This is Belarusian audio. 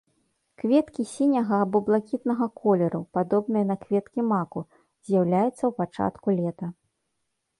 Кветкі сіняга або блакітнага колеру, падобныя на кветкі маку, з'яўляюцца ў пачатку лета.